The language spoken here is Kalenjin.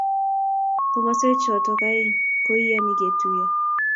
Komoswek choto aeng koiyani ketuiyo